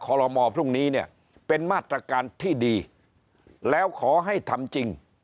ลมอพรุ่งนี้เนี่ยเป็นมาตรการที่ดีแล้วขอให้ทำจริง